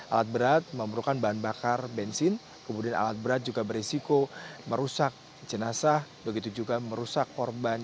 alat berat memerlukan bahan bakar bensin kemudian alat berat juga berisiko merusak jenazah begitu juga merusak korban